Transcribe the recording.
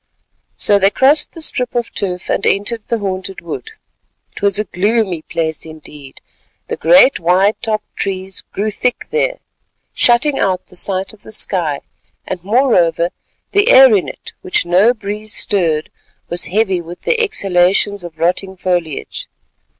So they crossed the strip of turf, and entered the haunted wood. It was a gloomy place indeed; the great wide topped trees grew thick there shutting out the sight of the sky; moreover, the air in it which no breeze stirred, was heavy with the exhalations of rotting foliage.